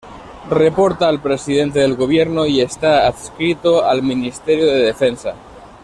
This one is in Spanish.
Reporta al Presidente del Gobierno y está adscrito al Ministerio de Defensa.